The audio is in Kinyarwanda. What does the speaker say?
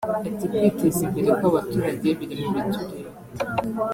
Ati” kwiteza imbere kw’abaturage biri mu bitureba